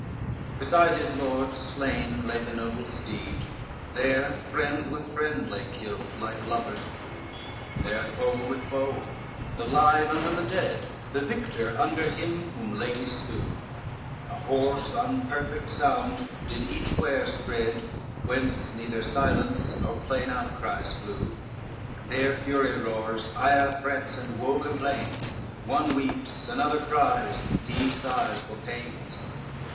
LI Beside his lord slain lay the noble steed, There friend with friend lay killed like lovers true, There foe with foe, the live under the dead, The victor under him whom late he slew: A hoarse unperfect sound did eachwhere spread, Whence neither silence, nor plain outcries flew: There fury roars, ire threats, and woe complains, One weeps, another cries, he sighs for pains.